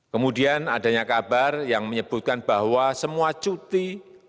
kemudian adanya kabar yang menyebutkan bahwa semua cuti